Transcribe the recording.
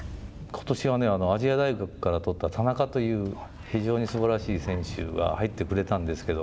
ことしは、亜細亜大学から取った田中という、非常にすばらしい選手が入ってくれたんですけど。